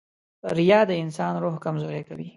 • ریا د انسان روح کمزوری کوي.